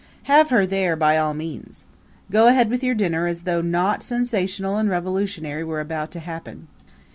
Have her there by all means. Go ahead with your dinner as though naught sensational and revolutionary were about to happen.